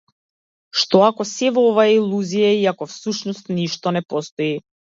Што ако сево ова е илузија и ако всушност ништо не постои?